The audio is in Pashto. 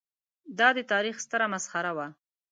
دا د تاریخ ستره مسخره وه.